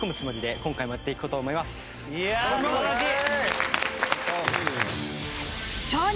いや素晴らしい！